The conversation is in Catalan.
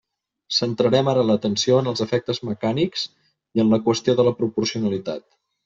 Centrarem ara l'atenció en els efectes mecànics i en la qüestió de la proporcionalitat.